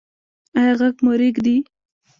ایا غږ مو ریږدي؟